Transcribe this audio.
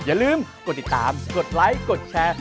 อย่าลืมกดติดตามกดไลค์กดแชร์